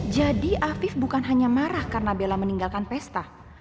jadi afif bukan hanya marah karena bella meninggalkan pesta